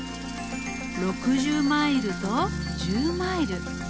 ６０マイルと１０マイル。